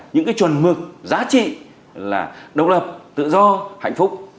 những cái chuẩn mực giá trị là độc lập tự do hạnh phúc